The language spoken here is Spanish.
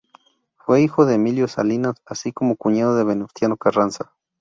Fue hijo de Emilio Salinas, así como cuñado de Venustiano Carranza.